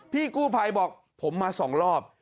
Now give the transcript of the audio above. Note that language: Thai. พี่กู้ภัยบอกผมมา๒รอบ